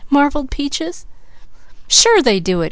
marvelled Peaches. "Sure they do it!"